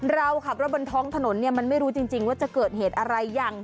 เราบนท้องถนนมันไม่รู้จริงว่าจะเกิดเหตุอะไรอย่าง